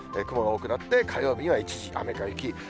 雲が多くなって、火曜日には一時雨か雪。